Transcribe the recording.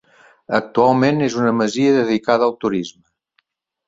Actualment és una masia dedicada al Turisme.